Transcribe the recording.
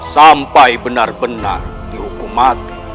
sampai benar benar dihukum mati